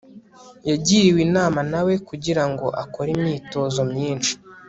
yagiriwe inama na we kugira ngo akore imyitozo myinshi